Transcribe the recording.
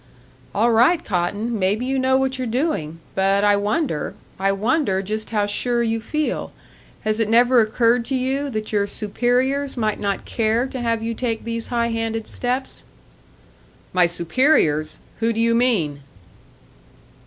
"All right, Cotton; maybe you know what you're doing; but I wonder I wonder just how sure you feel. Has it never occurred to you that your superiors might not care to have you take these high handed steps?" "My superiors? Who do you mean?"